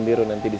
aduh aduh aduh